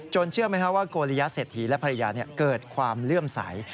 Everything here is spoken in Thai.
เชื่อไหมครับว่าโกริยเศรษฐีและภรรยาเกิดความเลื่อมใส